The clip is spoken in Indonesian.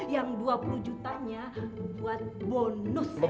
yang dua puluh jutanya buat bonus